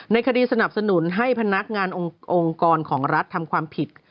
ในคดีสนับสนุนให้พนักงานองค์กรของรัฐทำความผิด